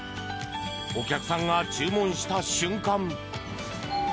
お客さんが注文した瞬間